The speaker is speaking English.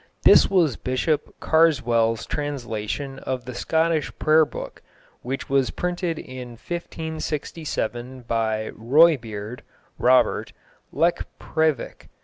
This was Bishop Carswell's translation of the Scottish Prayer Book, which was printed in 1567 by Roibeard (Robert) Lekprevik.